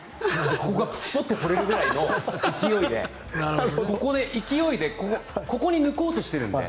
ここがスポッと取れるぐらいの勢いでここで勢いでここに抜こうとしているので。